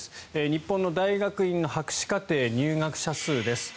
日本の大学院の博士課程入学者数です。